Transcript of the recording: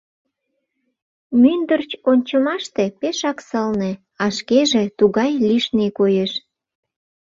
Мӱндырч ончымаште пешак сылне, а шкеже тугай лишне коеш...